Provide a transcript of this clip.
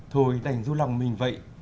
thôi đành du lòng mình vậy